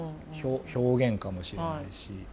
表現かもしれないし。